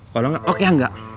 kalau gak oke gak